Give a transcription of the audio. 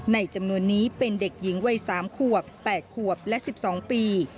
จำนวนนี้เป็นเด็กหญิงวัย๓ขวบ๘ขวบและ๑๒ปี